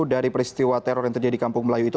dari peristiwa teror yang terjadi di kampung melayu itu